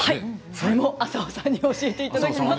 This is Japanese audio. それも浅尾さんに教えていただきます